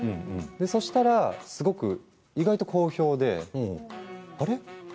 そうしたらすごく意外と好評であれ？